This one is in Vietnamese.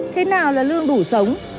thế nào là lương đủ sống